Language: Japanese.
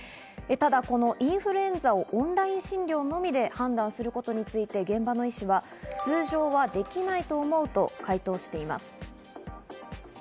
ただ、インフルエンザオンライン診療のみで判断することについて現場の医師は通常はできないと思うと回答しています。